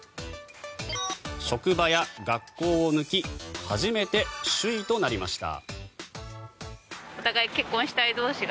職場や学校を抜き初めて首位となりました。